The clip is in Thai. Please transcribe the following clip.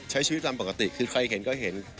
ใช้ชีวิตตามปกติคือใครเห็นก็เห็น